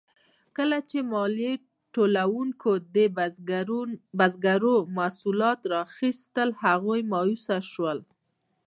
کله چې مالیات ټولونکو د بزګرو محصولات اخیستل، هغوی مایوسه شول.